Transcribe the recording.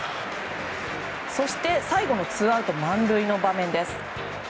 そして、最後のツーアウト満塁の場面です。